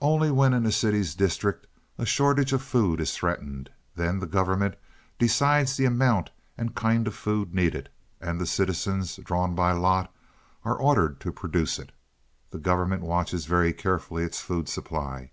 "Only when in a city's district a shortage of food is threatened. Then the government decides the amount and kind of food needed, and the citizens, drawn by lot, are ordered to produce it. The government watches very carefully its food supply.